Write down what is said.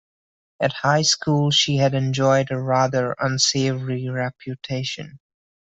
At high school she had enjoyed a rather unsavory reputation.